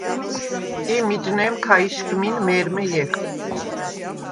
ი მიჯნე̄მ ქა იშგმინ მე̄რმე ჲეხვ.